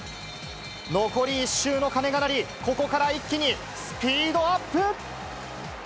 残り１周の鐘が鳴り、ここから一気にスピードアップ。